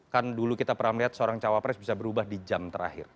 kan dulu kita pernah melihat seorang cawapres bisa berubah di jam terakhir